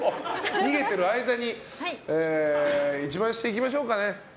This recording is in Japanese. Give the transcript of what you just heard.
逃げてる間に一番下いきましょうかね。